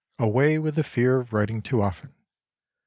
Away with the fear of writing too often.